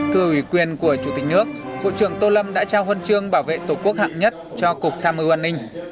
thư ủy quyền của chủ tịch nước bộ trưởng tô lâm đã trao huân chương bảo vệ tổ quốc hạng nhất cho cục tham mưu an ninh